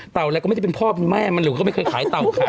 อะไรก็ไม่ได้เป็นพ่อเป็นแม่มันหรือก็ไม่เคยขายเต่าขาย